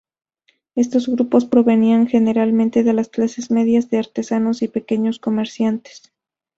Estos grupos provenían generalmente de las clases medias de artesanos y pequeños comerciantes.